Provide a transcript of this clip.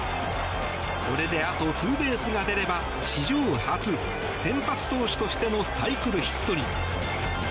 これであとツーベースが出れば史上初、先発投手としてのサイクルヒットに。